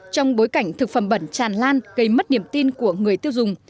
trong bối cảnh thực phẩm bẩn tràn lan gây mất niềm tin của người tiêu dùng